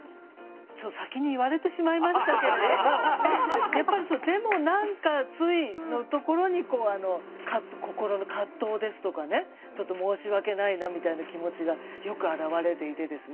ちょっと先に言われてしまいましたけれどもやっぱり「でもなんかつい」のところに心の葛藤ですとかねちょっと申し訳ないなみたいな気持ちがよく表れていてですね